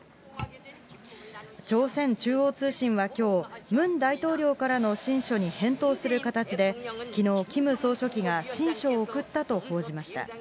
朝鮮中央通信はきょう、ムン大統領からの親書に返答する形で、きのう、キム総書記が親書を送ったと報じました。